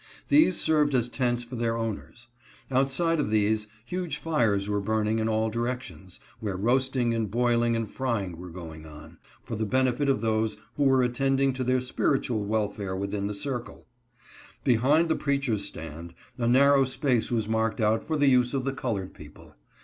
These served as tents for their owners. Outside of these, huge fires were burn ing in all directions, where roasting and boiling and fry ing were going on, for the benefit of those who were attending to their spiritual welfare within the circle. Behind the preacher's stand, a narrow space was marked out for the use of the colored people.